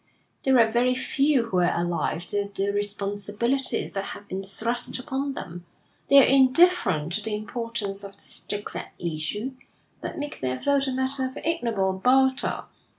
There are very few who are alive to the responsibilities that have been thrust upon them. They are indifferent to the importance of the stakes at issue, but make their vote a matter of ignoble barter.